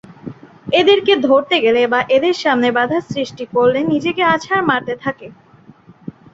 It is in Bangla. এদের ধরতে গেলে বা এদের সামনে বাধার সৃষ্টি করলে নিজেকে আছাড় মারতে থাকে।